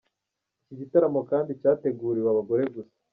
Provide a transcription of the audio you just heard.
Iki gitaramo kandi cyateguriwe abagore gusa.